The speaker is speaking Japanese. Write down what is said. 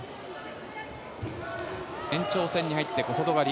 延長戦に入って小外刈り。